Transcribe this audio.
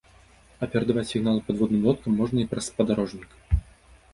А перадаваць сігналы падводным лодкам можна і праз спадарожнік.